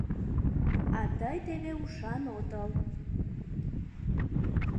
А тый теве ушан отыл.